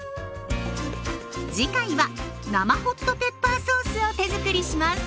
次回は生ホットペッパーソースを手づくりします。